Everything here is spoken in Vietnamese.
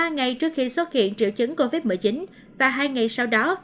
ba ngày trước khi xuất hiện triệu chứng covid một mươi chín và hai ngày sau đó